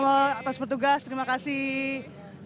atas petugas terima kasih